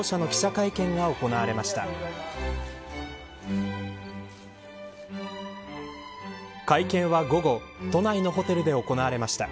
会見は午後都内のホテルで行われました。